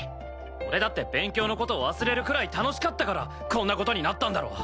俺だって勉強の事忘れるくらい楽しかったからこんな事になったんだろ。